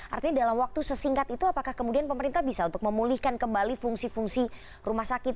artinya dalam waktu sesingkat itu apakah kemudian pemerintah bisa untuk memulihkan kembali fungsi fungsi rumah sakit